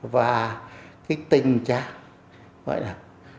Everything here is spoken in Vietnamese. và cái tình trạng vậy là